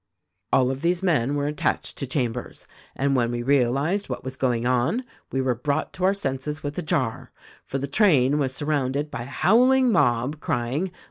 "All of these men were attached to Chambers ; and when we realized what was going on we were brought to our senses with a jar, for the train was surrounded by a howl ing mob, crying.